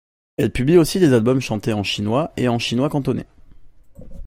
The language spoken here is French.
Elle publie aussi des albums chantés en chinois et en chinois cantonais.